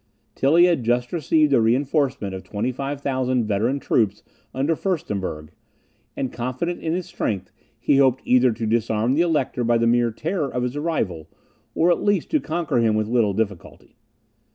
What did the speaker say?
Tilly had just received a reinforcement of 25,000 veteran troops under Furstenberg, and, confident in his strength, he hoped either to disarm the Elector by the mere terror of his arrival, or at least to conquer him with little difficulty.